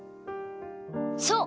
そう！